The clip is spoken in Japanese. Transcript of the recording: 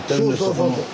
この。